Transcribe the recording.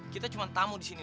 kita cuma tamu disini